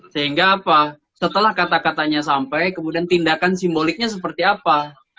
sehingga apa setelah kata katanya sampai kemudian tindakan simboliknya seperti apa